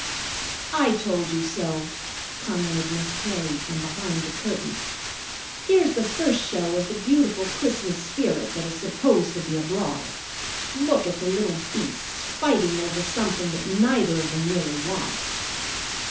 "I told you so!" commented Miss Terry from behind the curtain. "Here's the first show of the beautiful Christmas spirit that is supposed to be abroad. Look at the little beasts fighting over something that neither of them really wants!"